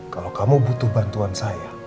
kalau kamu butuh bantuan saya